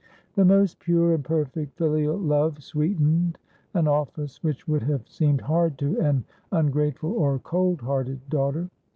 The most pure and perfect filial love sweetened an office which would have seemed hard to an ungrateful or cold hearted daughter.